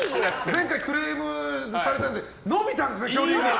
前回クレームされたんで伸びたんですよ、距離が。